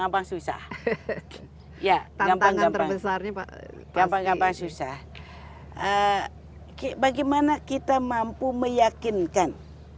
bagaimana kita mampu meyakinkan